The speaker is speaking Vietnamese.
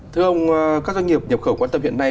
thưa ông các doanh nghiệp nhập khẩu quan tâm hiện nay